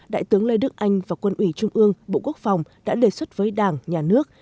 đại tướng lê đức anh và quân ủy trung ương bộ quốc phòng đã đề xuất với đảng nhà nước